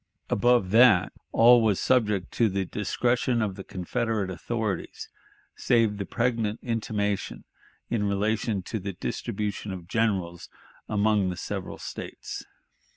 Above that, all was subject to the discretion of the Confederate authorities, save the pregnant intimation in relation to the distribution of generals among the several States.